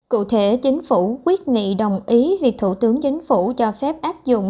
cụ thể chính phủ quyết nghị đồng ý việc thủ tướng chính phủ cho phép áp dụng